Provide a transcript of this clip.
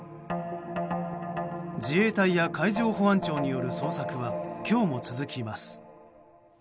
自衛隊や海上保安庁による捜索は今日も続きます。